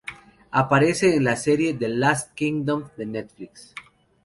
Aparece en la serie The Last Kingdom de Netflix.